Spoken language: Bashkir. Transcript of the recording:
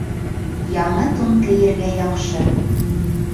Яңы тун кейергә яҡшы